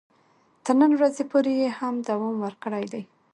تر نن ورځې پورې یې هم دوام ورکړی دی.